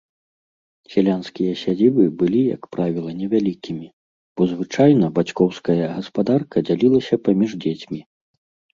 Сялянскія сядзібы былі як правіла невялікімі, бо звычайна бацькоўская гаспадарка дзялілася паміж дзецьмі.